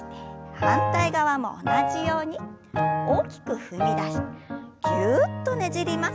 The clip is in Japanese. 反対側も同じように大きく踏み出してぎゅっとねじります。